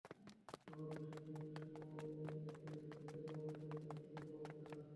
আবার যেসব নারী শ্রমবাজারে কাজ করছেন, তাঁদেরও অনেকের কাজ স্বীকৃতি পাচ্ছে না।